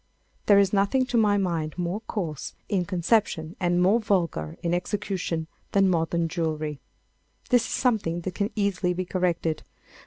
There is nothing to my mind more coarse in conception and more vulgar in execution than modern jewellery. This is something that can easily be corrected.